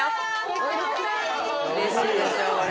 うれしいでしょこれ。